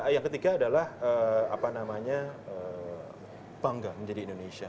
yang ketiga adalah bangga menjadi indonesia